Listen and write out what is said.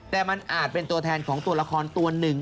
แต่มันอาจเป็นตัวแทนของตัวละครตัวหนึ่ง